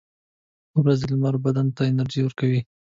• د ورځې لمر بدن ته انرژي ورکوي.